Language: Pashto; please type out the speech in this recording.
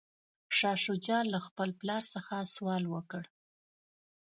شاه شجاع له خپل پلار څخه سوال وکړ.